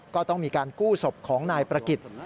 ก็ต้องมีการกู้ศพของนายประกิจ